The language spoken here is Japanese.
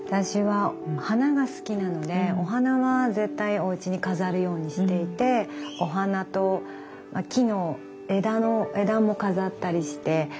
私は花が好きなのでお花は絶対おうちに飾るようにしていてお花と木の枝も飾ったりして。